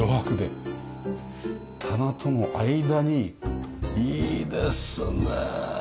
棚との間にいいですねえ。